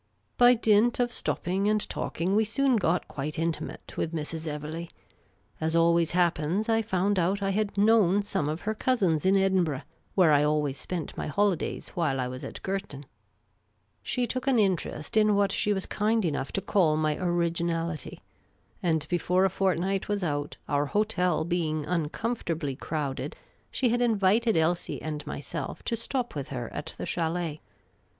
By dint of stopping and talking, we soon got quite inti mate with Mrs. Evelegh. As always happens, I found out I had known some of her cousins in Edinburgh, where I always spent my holidays while I was at Girton. She took an interest in what she was kind enough to call my original ity ; and before a fortnight was out, our hotel being uncom fortably crowded, she had invited Elsie and myself to stop with her at the c/iAlct.